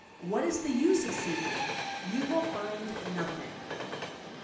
What is the use of seekingt You will find nothing!"